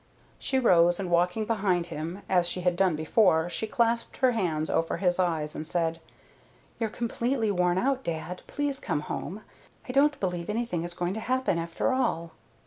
She rose, and walking around behind him, as she had done before, she clasped her hands over his eyes, and said: "You're completely worn out, dad. Please come home. I don't believe anything is going to happen after all."